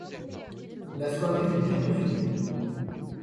La soirée fut bientôt finie.